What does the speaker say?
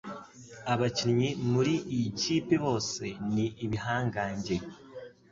Abakinnyi muri iyi kipe bose ni ibihangange